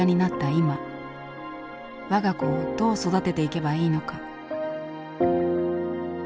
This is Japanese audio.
今我が子をどう育てていけばいいのか。